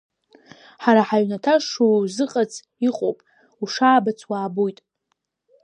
Ҳара ҳаҩнаҭа шузыҟац иҟоуп, ушаабац уаабоит.